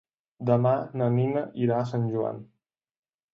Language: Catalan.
Demà na Nina irà a Sant Joan.